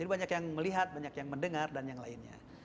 jadi banyak yang melihat banyak yang mendengar dan yang lainnya